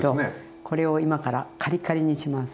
これを今からカリカリにします。